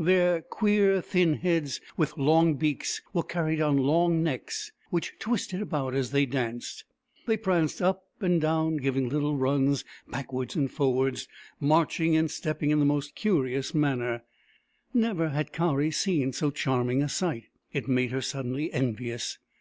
Their queer thin heads, with long beaks, were carried on long necks, which twisted about as they danced. They pranced up and down, giving little runs backwards and for wards, marching and stepping in the most curious manner. Never had Kari seen so charming a sight. It made her suddenly envious.